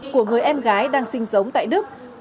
của người em gái đang sinh sống tại đức